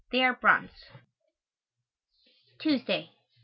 They are brontz. _Tuesday.